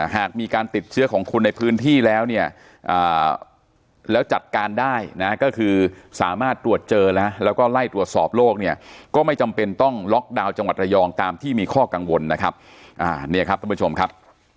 หากมีการติดเชื้อของคนในพื้นที่แล้วเนี่ยแล้วจัดการได้นะก็คือสามารถตรวจเจอนะแล้วก็ไล่ตรวจสอบโลกเนี่ยก็ไม่จำเป็นต้องล็อกดาวน์จังหวัดระยองตามที่มีข้อกังวลนะครับเนี่ยครับท่านผู้ชมครับ